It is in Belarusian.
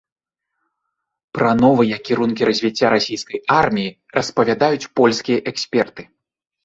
Пра новыя кірункі развіцця расійскай арміі распавядаюць польскія эксперты.